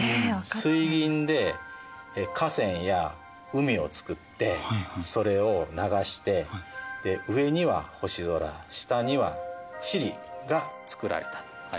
水銀で河川や海を作ってそれを流して上には星空下には地理が作られたと書いてあります。